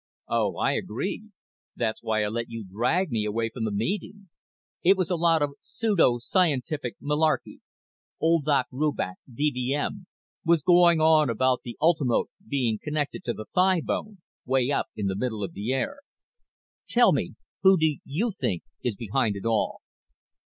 "Oh, I agree. That's why I let you drag me away from the meeting. It was a lot of pseudo scientific malarkey. Old Doc Rubach, D.V.M., was going on about the ultimote being connected to the thighbone, way up in the middle of the air. Tell me, who do you think is behind it all?"